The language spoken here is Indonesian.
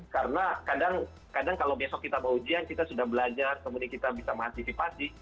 karena kadang kadang kalau besok kita mau ujian kita sudah belajar kemudian kita bisa mengantisipasi